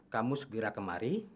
kamu segera kemari